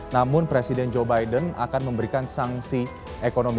namun presiden joe biden akan memberikan sanksi ekonomi